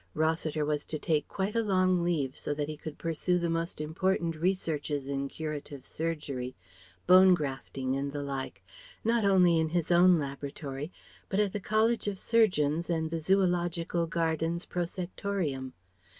Rossiter was to take quite a long leave so that he could pursue the most important researches in curative surgery bone grafting and the like; not only in his own laboratory but at the College of Surgeons and the Zoological Gardens Prosectorium.